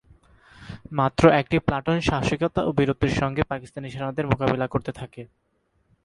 মাত্র একটি প্লাটুন সাহসিকতা ও বীরত্বের সঙ্গে পাকিস্তানি সেনাদের মোকাবিলা করতে থাকে।